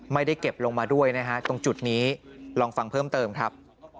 ไม่ได้เก็บลงมาด้วยนะฮะตรงจุดนี้ลองฟังเพิ่มเติมครับ